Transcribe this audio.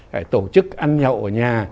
hãy tổ chức ăn nhậu ở nhà